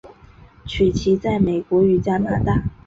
曲奇在美国与加拿大解为细小而扁平的蛋糕式的面饼。